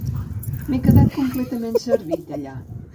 M'he quedat completament servit, allà.